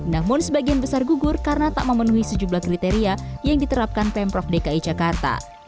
namun sebagian besar gugur karena tak memenuhi sejumlah kriteria yang diterapkan pemprov dki jakarta